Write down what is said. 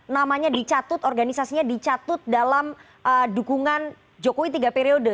namanya dicatut organisasinya dicatut dalam dukungan jokowi tiga periode